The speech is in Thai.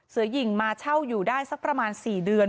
เสือหญิงมาเช่าอยู่ได้สักประมาณ๔เดือน